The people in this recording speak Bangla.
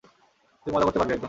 তুই মজা করতে পারবি একদম।